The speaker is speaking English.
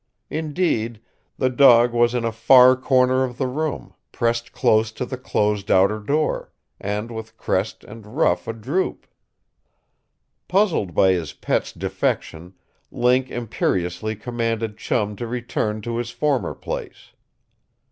Indeed, the dog was in a far corner of the room, pressed close to the closed outer door, and with crest and ruff a droop. Puzzled by his pet's defection, Link imperiously commanded Chum to return to his former place.